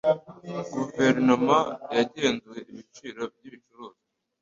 Guverinoma yagenzuye ibiciro byibicuruzwa